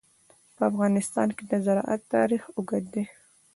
په افغانستان کې د زراعت تاریخ اوږد دی.